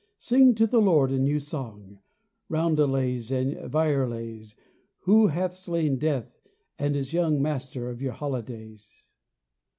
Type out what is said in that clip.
Sing to the Lord a new song ! Roundelays and virelays, Who hath slain Death and is young Master of your holidays.